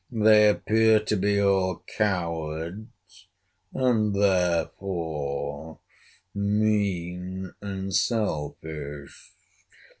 They appear to be all cowards, and, therefore, mean and selfish.